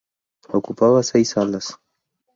Ocupaba seis salas.